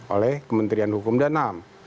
oleh kementerian hukum danam